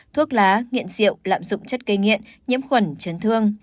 thuốc lá nghiện diệu lạm dụng chất cây nghiện nhiễm khuẩn chấn thương